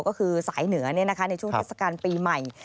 ก็คือสายเหนือในช่วงเทศกาลปีใหม่